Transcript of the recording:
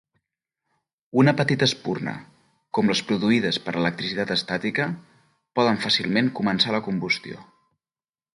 Una petita espurna, com les produïdes per electricitat estàtica, poden fàcilment començar la combustió.